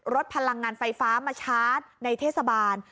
พลังงานไฟฟ้ามาชาร์จในเทศบาล